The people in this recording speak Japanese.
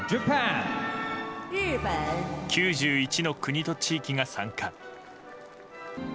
９１の国と地域が参加。